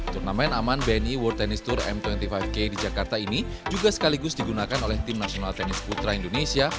turnamen aman bni world tennis tour m dua puluh lima k di jakarta ini juga sekaligus digunakan oleh tim nasional tenis putra indonesia